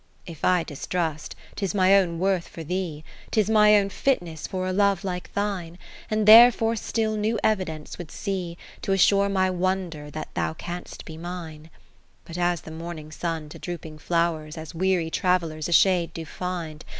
60 XVI If I distrust, 'tis my own worth for thee, 'Tis my own fitness for a love like thine ; And therefore still new evidence would see, T' assure my wonder that thou canst be mine. XVII But as the morning Sun to drooping flowers, As weary travellers a shade do find.